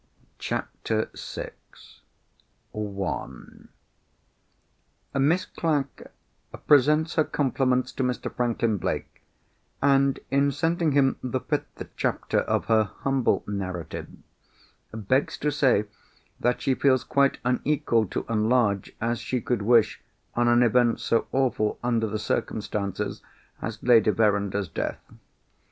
CHAPTER VI (1.) "Miss Clack presents her compliments to Mr. Franklin Blake; and, in sending him the fifth chapter of her humble narrative, begs to say that she feels quite unequal to enlarge as she could wish on an event so awful, under the circumstances, as Lady Verinder's death.